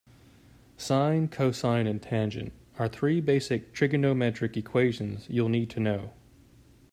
Sine, cosine and tangent are three basic trigonometric equations you'll need to know.